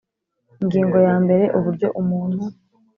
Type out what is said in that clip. Ingingo ya mbere Uburyo umuntu